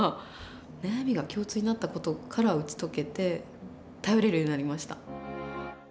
悩みが共通になった事から打ち解けて頼れるようになりました。